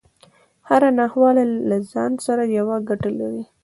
هره ناخواله له ځان سره يوه ګټه لري.